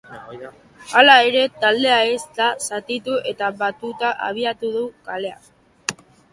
Hala ere, taldea ez da zatitu, eta batuta abiatu du kalea.